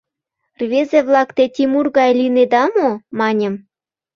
— Рвезе-влак, те Тимур гай лийнеда мо? — маньым.